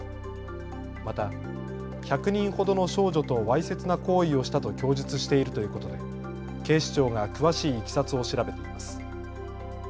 また、１００人ほどの少女とわいせつな行為をしたと供述しているということで警視庁が詳しいいきさつを調べています。